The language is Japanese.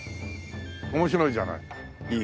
面白いじゃない。